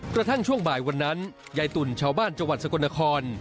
กระทั่งช่วงบ่ายวันนั้นยายตุ่นชาวบ้านจังหวัดสกลนคร